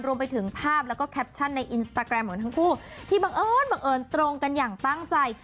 รวมไปถึงภาพแล้วก็แคปชั่นในอินสตาแกรมของทั้งคู่ที่บังเอิญบังเอิญตรงกันอย่างตั้งใจ